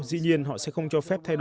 dĩ nhiên họ sẽ không cho phép thay đổi